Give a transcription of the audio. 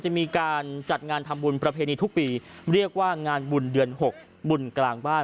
จะมีการจัดงานทำบุญประเพณีทุกปีเรียกว่างานบุญเดือน๖บุญกลางบ้าน